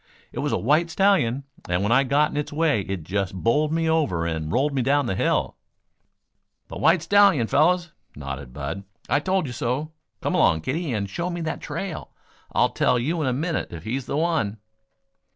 "It was a white stallion, and when I got in its way it just bowled me over and rolled me down the hill " "The white stallion, fellows," nodded Bud. "I told you so. Come along, kiddie, and show me that trail. I'll tell you in a minute if he's the one."